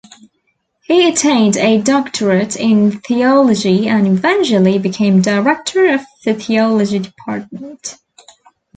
He attained a doctorate in theology and eventually became director of the theology department.